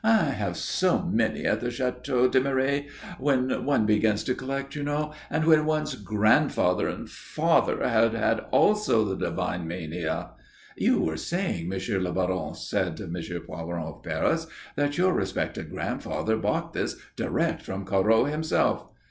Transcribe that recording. "I have so many at the Château de Mireilles. When one begins to collect, you know and when one's grandfather and father have had also the divine mania " "You were saying, M. le Baron," said M. Poiron of Paris, "that your respected grandfather bought this direct from Corot himself."